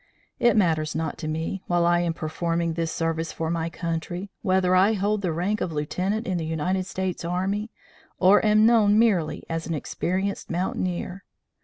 It matters not to me, while I am performing this service for my country, whether I hold the rank of lieutenant in the United States Army or am known merely as an experienced mountaineer.